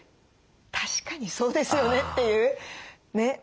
確かにそうですよねっていうね。